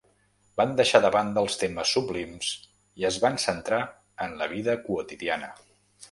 Van deixar de banda els temes sublims i es van centrar en la vida quotidiana.